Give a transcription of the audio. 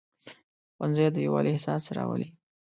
ښوونځی د یووالي احساس راولي